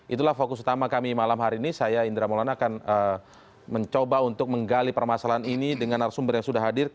itulah fokus utama kami malam hari ini saya indra maulana akan mencoba untuk menggali permasalahan ini dengan arsumber yang sudah hadir